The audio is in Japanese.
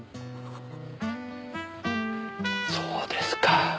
そうですか。